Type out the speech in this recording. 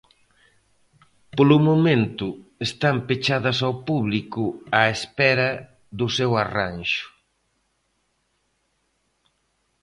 Polo momento, están pechadas ao público á espera do seu arranxo.